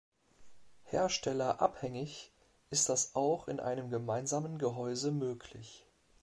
Herstellerabhängig ist das auch in einem gemeinsamen Gehäuse möglich.